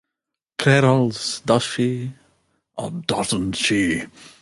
Clairol's Does she...or doesn't she?